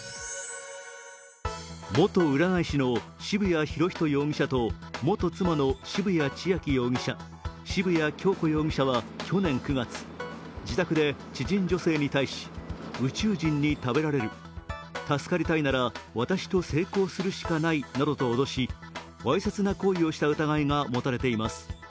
元占い師の渋谷博仁容疑者と元妻の渋谷千秋容疑者、渋谷恭子容疑者は、去年９月、自宅で知人女性に対し宇宙人に食べられる、助かりたいなら私と性交するしかないなどと脅し、わいせつな行為をした疑いが持たれています。